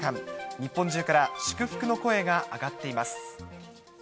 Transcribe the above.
日本中から祝福の声が上がっています。